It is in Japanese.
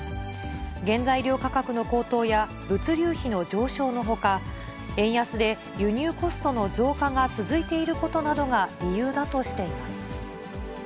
原材料価格の高騰や、物流費の上昇のほか、円安で輸入コストの増加が続いていることなどが理由だとしています。